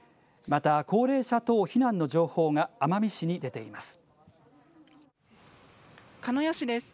また高齢者等避難の情報が奄美市に出ています。